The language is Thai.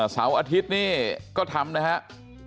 เสาร์อาทิตย์นี่ก็ทำนะครับ